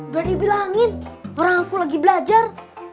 berani bilangin orang aku lagi belajar